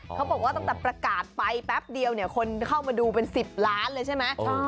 เขาบอกว่าตั้งแต่ประกาศไปแป๊บเดียวเนี่ยคนเข้ามาดูเป็น๑๐ล้านเลยใช่ไหม